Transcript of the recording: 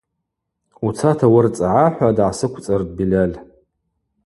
Уцата уырцӏгӏа – хӏва дгӏасыквцӏыртӏ Бильаль.